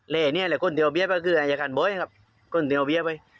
และเนี้ยแหละคนที่เอาเบียบก็คืออายการบ๊วยครับคนที่เอาเบียบไป